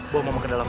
bawa mama ke dalam